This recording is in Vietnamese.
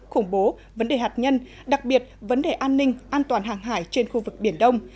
khủng bố vấn đề hạt nhân đặc biệt vấn đề an ninh an toàn hàng hải trên khu vực biển đông